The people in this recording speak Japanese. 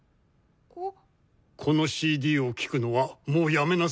このＣＤを聴くのはもうやめなさい。